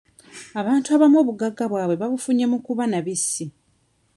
Abantu abamu obugagga bwabwe babufunye mu kubba na bissi.